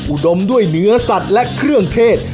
อุดมด้วยเนื้อสัตว์และเครื่องเทศ